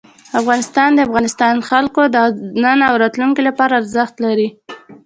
افغانستان کې د افغانستان جلکو د نن او راتلونکي لپاره ارزښت لري.